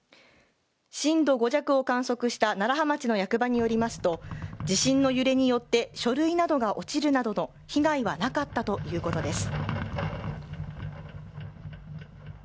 震度５弱を観測した楢葉町の役場によりますと地震の揺れによって書類などが落ちるなどの被害はなかったということです。